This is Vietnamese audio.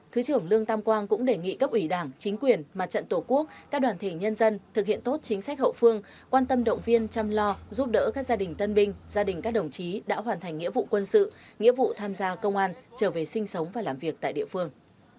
trong trận tổ quốc các đoàn thể nhân dân thực hiện tốt chính sách hậu phương quan tâm động viên chăm lo giúp đỡ các gia đình tân binh gia đình các đồng chí đã hoàn thành nghĩa vụ quân sự nghĩa vụ tham gia công an trở về sinh sống và làm việc tại địa phương